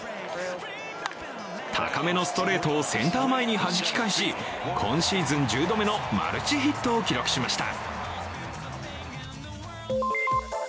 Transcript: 高めのストレートをセンター前にはじき返し、今シーズン１０度目のマルチヒットを記録しました。